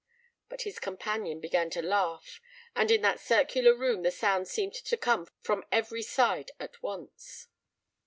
But his companion began to laugh, and in that circular room the sound seemed to come from every side at once.